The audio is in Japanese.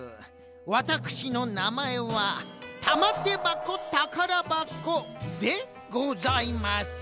ワタクシのなまえはたまてばこたからばこでございます。